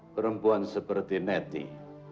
perempuan seperti nettie